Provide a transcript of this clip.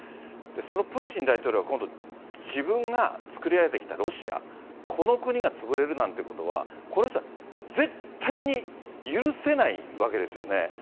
そのプーチン大統領が今度、自分が作り上げてきたロシア、この国がつぶれるなんていうことは、この人は絶対に許せないわけですよね。